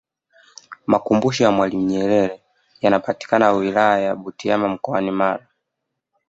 makumbusho ya mwalimu nyerere yanapatika wilaya ya butiama mkoani mara